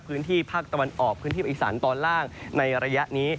พื้นที่ภาคตะวันออกพื้นที่ภาคอีสานตอนล่างในระยะนี้